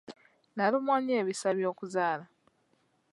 Nnalumwa nnyo ebisa by'okuzaala.